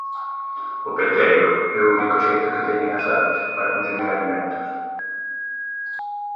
O peteiro é o único xeito que teñen as aves para consumir alimentos.